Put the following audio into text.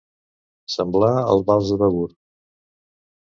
Semblar el vals de Begur.